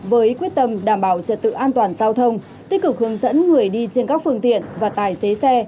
với quyết tâm đảm bảo trật tự an toàn giao thông tích cực hướng dẫn người đi trên các phương tiện và tài xế xe